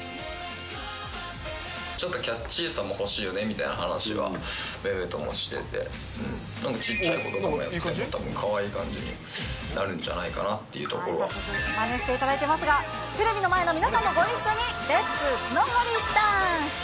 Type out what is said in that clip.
ちょっとキャッチーさも欲しいよねみたいな話はめめともしてて、小っちゃい子とかもやったらかわいい感じになるんじゃないかなっまねしていただいてますが、テレビの前の皆さんもご一緒に、レッツ・スノホリダンス。